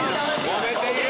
もめている！